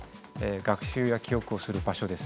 学習や記憶をする場所です。